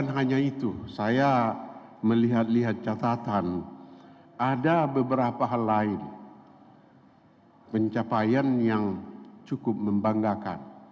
ketua bursa efek